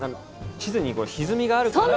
地図にひずみがあるから。